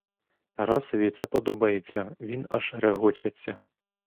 Тарасові це подобається, він аж регочеться.